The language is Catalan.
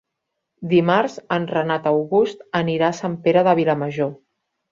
Dimarts en Renat August anirà a Sant Pere de Vilamajor.